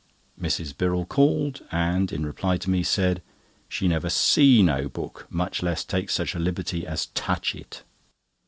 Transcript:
Mrs. Birrell called, and, in reply to me, said: "She never see no book, much less take such a liberty as touch it."